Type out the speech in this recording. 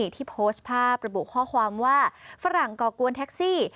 ที่โพสต์ภาพระบุข้อความว่าฝรั่งก่อกวนแท็กซี่